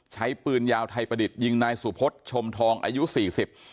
ใช้ปืนยาวไทยประดิษฐ์ยิงนายสุพธชมทองอายุสี่สิบ